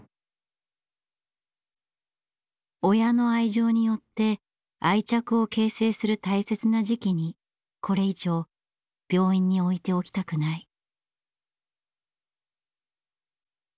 親の愛情によって愛着を形成する大切な時期にこれ以上病院に置いておきたくない。